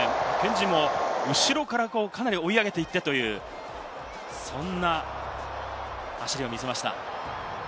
後ろからかなり追い上げていってという走りを見せました。